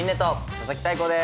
佐々木大光です。